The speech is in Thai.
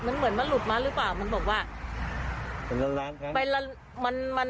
มันเหมือนมันหลุดมาหรือเปล่ามันบอกว่าเป็นล้านล้านครั้งมัน